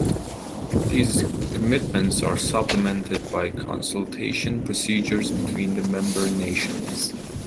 These commitments are supplemented by consultation procedures between the member nations.